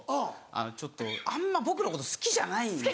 ちょっとあんま僕のこと好きじゃないんですね。